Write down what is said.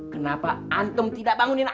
kenapa antum tidak bangunin